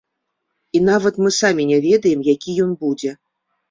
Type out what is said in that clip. І нават мы самі не ведаем, які ён будзе.